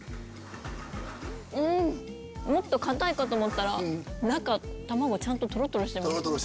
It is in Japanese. もっと固いかと思ったら中卵ちゃんとトロトロしてます。